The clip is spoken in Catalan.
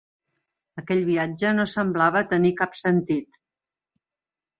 Aquell viatge no semblava tenir cap sentit.